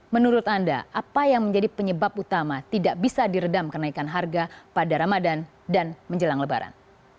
menurut anda apa yang menjadi penyebab utama tidak bisa diredam kenaikan harga pada ramadan dan menjelang lebaran